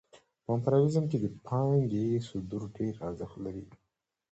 په امپریالیزم کې د پانګې صدور ډېر ارزښت لري